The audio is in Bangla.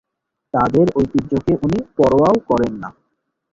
তাদের ঐতিহ্যকে উনি পরোয়াও করেন না।